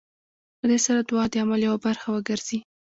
په دې سره دعا د عمل يوه برخه وګرځي.